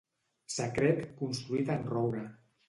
Secret construït en roure.